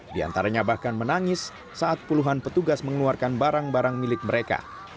di antaranya bahkan menangis saat puluhan petugas mengeluarkan barang barang milik mereka